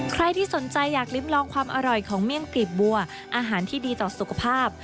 ใครที่สนใจอยากลิ้มลองความอร่อยของเมี่ยงกลีบบัวอาหารที่ดีต่อสุขภาพ